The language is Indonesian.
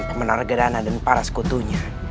pemenar gherana dan para sekutunya